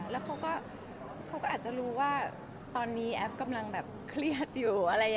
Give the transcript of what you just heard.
แล้วเขาก็อาจจะรู้ว่าตอนนี้แอฟกำลังแบบเครียดอยู่อะไร